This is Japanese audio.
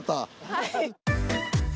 はい。